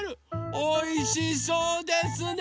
おいしそうですね。